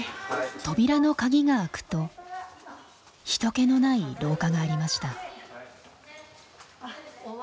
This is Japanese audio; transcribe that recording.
扉の鍵があくと人けのない廊下がありました。